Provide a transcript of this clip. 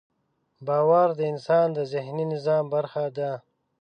باور د انسان د ذهني نظام برخه ده.